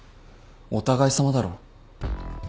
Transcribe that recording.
お互いさまだろ。